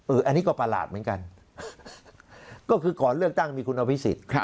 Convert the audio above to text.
อันนี้ก็ประหลาดเหมือนกันก็คือก่อนเลือกตั้งมีคุณอภิษฎ